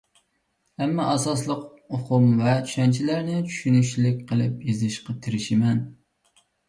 ئەمما، ئاساسلىق ئۇقۇم ۋە چۈشەنچىلەرنى چۈشىنىشلىك قىلىپ يېزىشقا تىرىشىمەن.